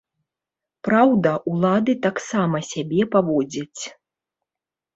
Праўда, улады так сама сябе паводзяць.